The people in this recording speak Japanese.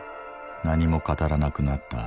何も語らなくなった兄。